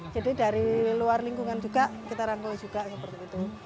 jadi dari luar lingkungan juga kita rangkul juga seperti itu